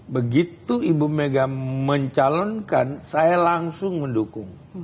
begitu ibu mega mencalonkan saya langsung mendukung